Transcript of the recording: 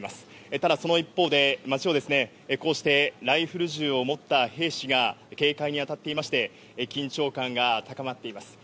ただ、その一方で、街を、こうしてライフル銃を持った兵士が警戒に当たっていまして、緊張感が高まっています。